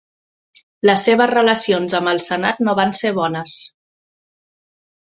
Les seves relacions amb el Senat no van ser bones.